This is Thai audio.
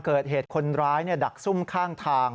เกิดเหตุคนร้ายดักซุ่มข้างทาง